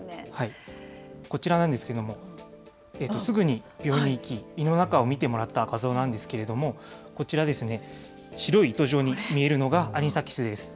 こちらなんですけれども、すぐに病院に行き、胃の中を見てもらった画像なんですけれども、こちらですね、白い糸状に見えるのがアニサキスです。